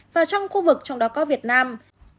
và trong khu vực trong đó có việt nam